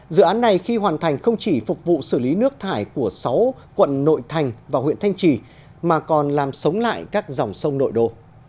dự án này khi hoàn thành không chỉ phục vụ xử lý nước thải của sáu quận nội thành và huyện thanh trì mà còn làm sống lại các dòng sông nội đô